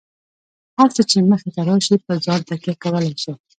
هر څه چې مخې ته راشي، په ځان تکیه کولای شئ.